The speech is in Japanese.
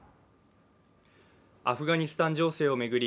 アフガニスタン情勢を巡り